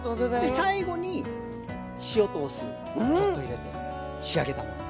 最後に塩とお酢ちょっと入れて仕上げたもの。